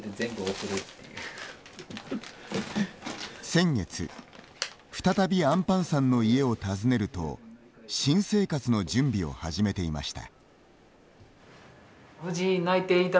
先月、再びあんぱんさんの家を訪ねると新生活への準備を始めていました。